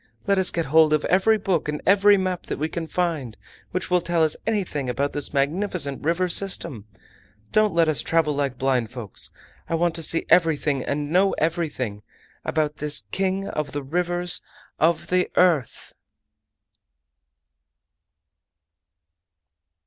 Let us get hold of every book and every map that we can find which will tell us anything about this magnificent river system! Don't let us travel like blind folks! I want to see everything and know everything about this king of the rivers of the earth!"